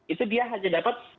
itu dia hanya dapat